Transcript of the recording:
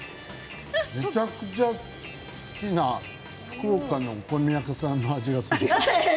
めちゃくちゃ好きな福岡のお好み焼き屋さんの味がする。